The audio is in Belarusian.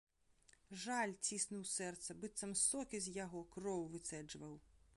Жаль ціснуў сэрца, быццам сокі з яго, кроў выцэджваў.